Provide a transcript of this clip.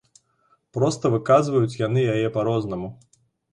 Проста выказваюць яны яе па-рознаму.